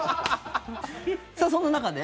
さあ、そんな中で。